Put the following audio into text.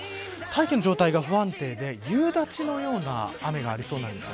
大気の状態が不安定で夕立のような雨がありそうなんです。